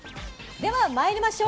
では参りましょう。